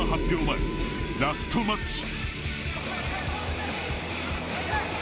前ラストマッチ。